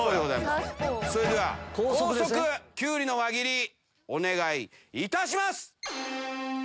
それでは高速キュウリの輪切りお願いいたします！